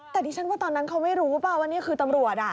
แต่ดิฉันว่าตอนนั้นเขาไม่รู้เปล่าว่านี่คือตำรวจ